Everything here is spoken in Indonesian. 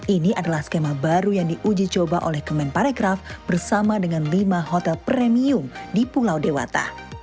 ini adalah skema baru yang diuji coba oleh kemenparekraf bersama dengan lima hotel premium di pulau dewata